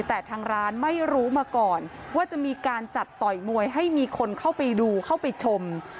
แต่ทางร้านไม่รู้มาก่อนว่าจะมีการจัดต่อยมวยให้มีคนเข้าไปดูเข้าไปชม